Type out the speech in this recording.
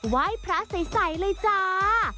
ไหว้พระใสเลยจ้า